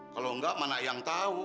kalau enggak mana yang tahu